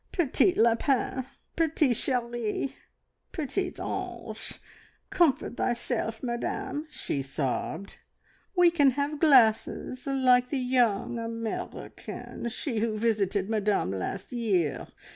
"Petite lapin! Petite cherie! Petite ange! Comfort thyself, Madame," she sobbed, "we can have glasses like the young American she who visited Madame last year.